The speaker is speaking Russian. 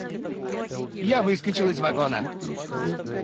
Я выскочил из вагона.